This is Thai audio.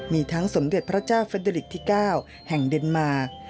มีทั้งสมเด็จพระเจ้าเฟดเดอริกที่๙แห่งเดนมาร์